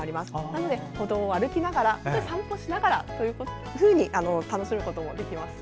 なので歩道を歩きながら散歩しながら楽しむこともできます。